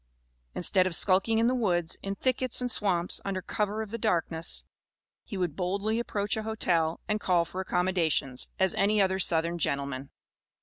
Instead of skulking in the woods, in thickets and swamps, under cover of the darkness, he would boldly approach a hotel and call for accommodations, as any other southern gentleman.